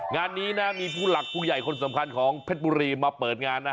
งานนี้นะมีผู้หลักผู้ใหญ่คนสำคัญของเพชรบุรีมาเปิดงานนะ